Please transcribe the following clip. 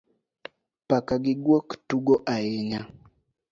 Paka gi gwok tugo ahinya